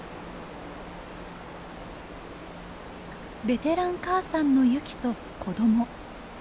ベテラン母さんのユキと子ども。